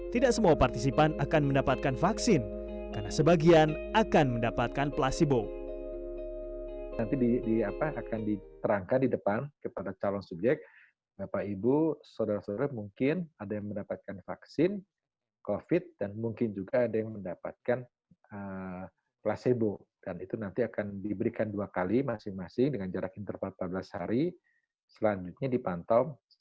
tidak semua partisipan akan mendapatkan vaksin karena sebagian akan mendapatkan placebo